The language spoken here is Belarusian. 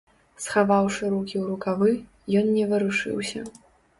Схаваўшы рукі ў рукавы, ён не варушыўся.